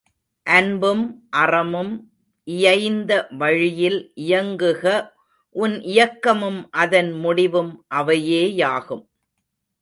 அன்பும் அறமும் இயைந்த வழியில் இயங்குக உன் இயக்கமும் அதன் முடிவும் அவையேயாகும்.